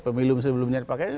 pemilu sebelumnya dipakai